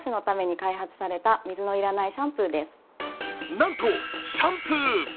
なんとシャンプー。